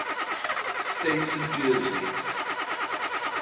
States of Jersey.